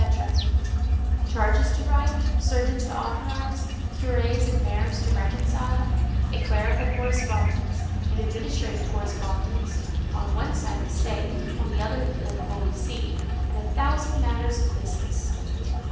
—charges to write, sermons to authorize, curés and mayors to reconcile, a clerical correspondence, an administrative correspondence; on one side the State, on the other the Holy See; and a thousand matters of business.